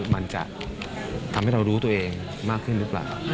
มันจะทำให้เรารู้ตัวเองมากขึ้นหรือเปล่า